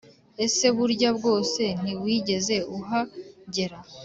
Ese burya bwose ntiwigeze uhagera